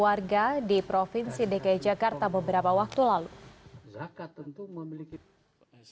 warga di provinsi dki jakarta beberapa waktu lalu